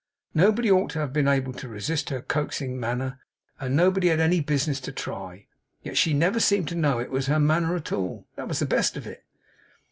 Nobody ought to have been able to resist her coaxing manner; and nobody had any business to try. Yet she never seemed to know it was her manner at all. That was the best of it.